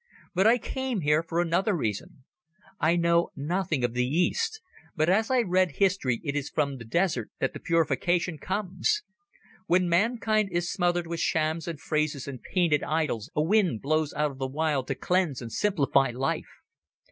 But I came here for another reason. I know nothing of the East, but as I read history it is from the desert that the purification comes. When mankind is smothered with shams and phrases and painted idols a wind blows out of the wild to cleanse and simplify life.